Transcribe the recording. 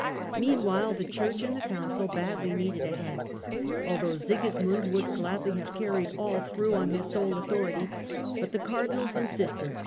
Meanwhile the Church and the Council badly needed a head, although Sigismund would gladly have carried all through on his sole authority ; but the Cardinals insisted, Martin V.